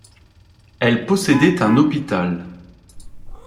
Elle possédait un hôpital.